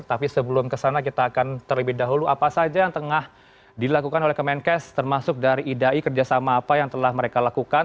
tapi sebelum kesana kita akan terlebih dahulu apa saja yang tengah dilakukan oleh kemenkes termasuk dari idai kerjasama apa yang telah mereka lakukan